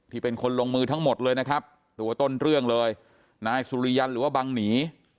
เป็นคนลงมือทั้งหมดเลยนะครับตัวต้นเรื่องเลยนายสุริยันหรือว่าบังหนี